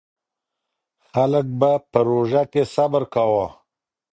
خلک به په روژه کې صبر کاوه.